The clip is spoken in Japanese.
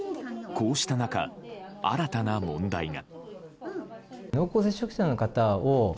こうした中、新たな問題が。